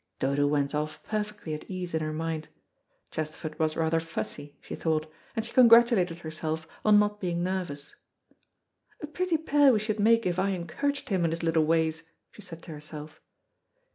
Dodo went off perfectly at ease in her mind. Chesterford was rather fussy, she thought, and she congratulated herself on not being nervous. "A pretty pair we should make if I encouraged him in his little ways," she said to herself.